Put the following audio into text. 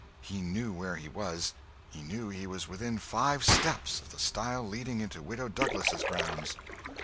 He knew where he was. He knew he was within five steps of the stile leading into Widow Douglas' grounds.